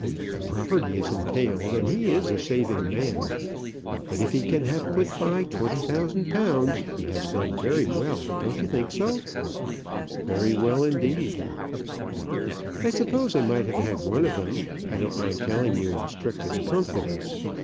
The property is entailed, and he's a saving man. But if he can have put by £20,000, he has done very well; don't you think so?" "Very well indeed." "I suppose I might have had one of them; I don't mind telling you in strictest confidence.